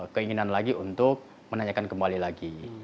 keinginan lagi untuk menanyakan kembali lagi